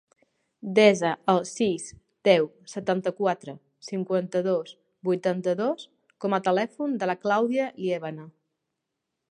Desa el sis, deu, setanta-quatre, cinquanta-dos, vuitanta-dos com a telèfon de la Clàudia Liebana.